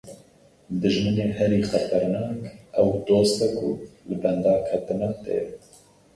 Dijminê herî xeternak, ew dost e ku li benda ketina te ye.